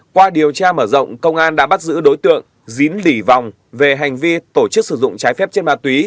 qua điều tra mở rộng công an đã bắt giữ đối tượng dín lỉ vòng về hành vi tổ chức sử dụng trái phép trên ma túy